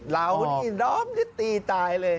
เรานี่ด้อมนี่ตีตายเลย